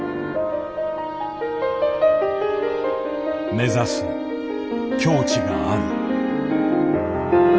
目指す境地がある。